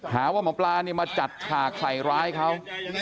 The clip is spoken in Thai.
หาว่าหมอปลาเนี่ยมาจัดฉากใส่ร้ายเขา